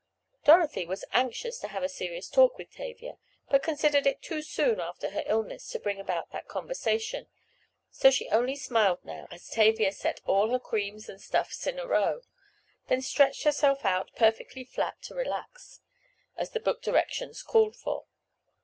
Dorothy was anxious to have a serious talk with Tavia, but considered it too soon after her illness to bring about that conversation, so she only smiled now as Tavia set all her creams and stuffs in a row, then stretched herself out "perfectly flat to relax," as the book directions called for.